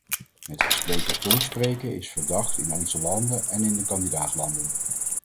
Met gespleten tong spreken is verdacht in onze landen en in de kandidaat-landen.